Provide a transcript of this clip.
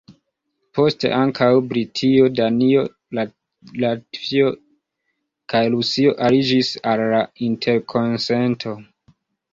Poste ankaŭ Britio, Danio, Latvio kaj Rusio aliĝis al la interkonsento.